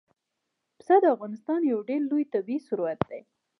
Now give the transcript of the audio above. پسه د افغانستان یو ډېر لوی طبعي ثروت دی.